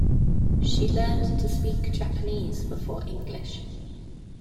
She learned to speak Japanese before English.